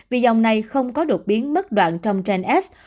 vì dòng này không có đột biến mất đoạn trong gen s